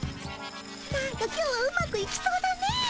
なんか今日はうまくいきそうだね。